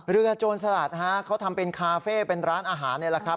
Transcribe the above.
โจรสลัดฮะเขาทำเป็นคาเฟ่เป็นร้านอาหารนี่แหละครับ